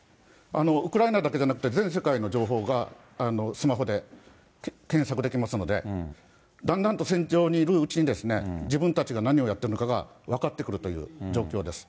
ウクライナだけじゃなくて、全世界の情報がスマホで検索できますので、だんだんと戦場にいるうちに、自分たちが何をやっているのかが分かってくるという状況です。